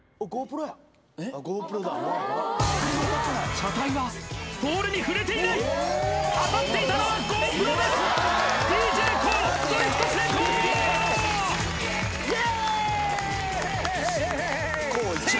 車体はポールに触れていないあたっていたのはゴープロですＤＪＫＯＯＹＥＡＨ！